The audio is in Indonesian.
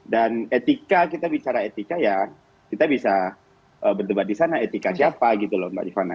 dan etika kita bicara etika ya kita bisa berdebat di sana etika siapa gitu loh mbak ripana